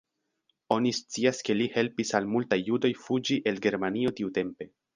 Oni scias ke li helpis al multaj judoj fuĝi el Germanio tiutempe.